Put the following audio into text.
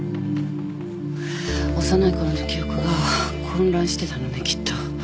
幼いころの記憶が混乱してたのねきっと。